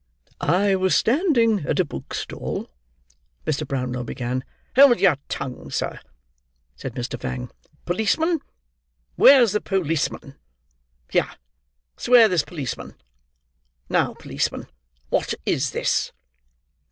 "I was standing at a bookstall—" Mr. Brownlow began. "Hold your tongue, sir," said Mr. Fang. "Policeman! Where's the policeman? Here, swear this policeman. Now, policeman, what is this?"